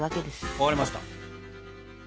分かりました。